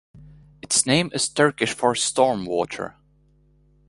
Its name is Turkish for "storm water".